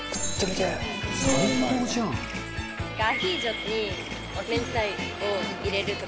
アヒージョに明太子を入れるとか。